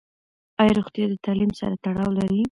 ایا روغتیا د تعلیم سره تړاو لري؟